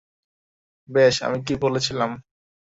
বেশ আমি কী বলেছিলাম?